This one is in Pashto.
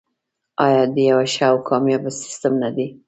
آیا د یو ښه او کامیاب سیستم نه دی؟